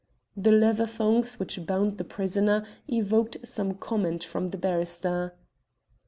The leather thongs which bound the prisoner evoked some comment from the barrister.